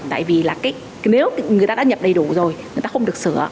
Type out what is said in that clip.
tại vì là nếu người ta đã nhập đầy đủ rồi người ta không được sửa